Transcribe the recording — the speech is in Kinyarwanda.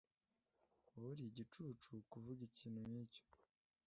Wowe uri igicucu kuvuga ikintu nkicyo.